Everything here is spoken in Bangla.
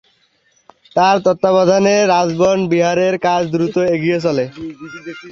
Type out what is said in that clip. তার তত্ত্বাবধানে রাজবন বিহারের কাজ দ্রুত এগিয়ে চলে।